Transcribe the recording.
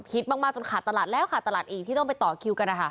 มากจนขาดตลาดแล้วขาดตลาดอีกที่ต้องไปต่อคิวกันนะคะ